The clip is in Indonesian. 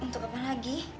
untuk apa lagi